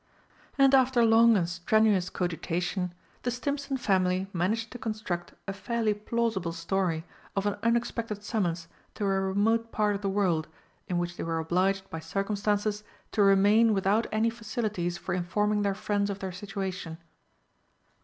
And after long and strenuous cogitation, the Stimpson family managed to construct a fairly plausible story of an unexpected summons to a remote part of the world, in which they were obliged by circumstances to remain without any facilities for informing their friends of their situation.